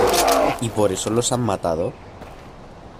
¿ y por eso los han matado?